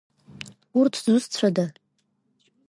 Урҭ зусҭцәада?